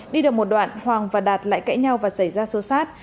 đi được một đoạn hoàng và đạt lại cãi nhau và xảy ra sơ sát